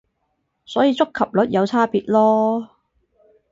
所以觸及率有差別囉